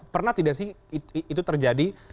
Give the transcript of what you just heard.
pernah tidak sih itu terjadi